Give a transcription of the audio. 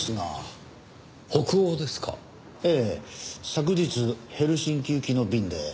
昨日ヘルシンキ行きの便で。